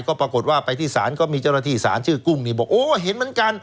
ก็ปรากฏว่าไปที่ศาลก็มีเจ้าหน้าที่สารชื่อกุ้งนี่บอกโอ้เห็นเหมือนกัน